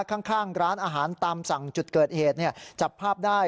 ข้างร้านอาหารตามสั่งจุดเกิดเหตุจับภาพได้